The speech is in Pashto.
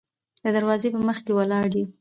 د دروازې په مخکې ولاړ يې.